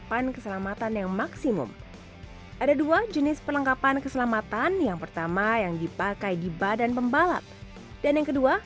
pembalap nasional wanita